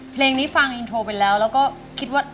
เพลงนี้ฟังอินโทรไปแล้วแล้วก็คิดว่า